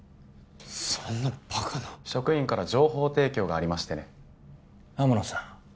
そんなバカな職員から情報提供がありましてね天野さん